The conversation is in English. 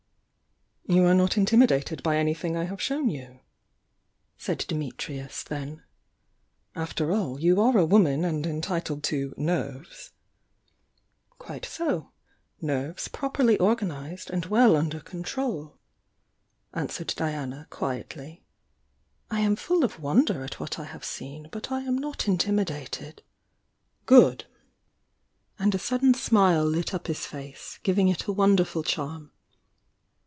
"You are not intimidated by anything I have shown you?" said Dimitrius, then. "After all, you are a woman and entitled to 'nerves!' ",,,, "Quite so, nerves properly organised and well under control." answered Diana, quietly. 'I am fuU THE YOUNG DIANA 139 of wonder at what I have seen, but I am not intimi dated. "Good!" And a sudden smile lit up his face, giv ing It a wonderful charm.